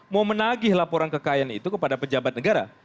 mau menagih laporan kekayaan itu kepada pejabat negara